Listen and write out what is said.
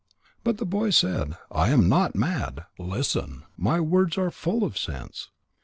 But the boy said: "I am not mad. Listen. My words are full of sense.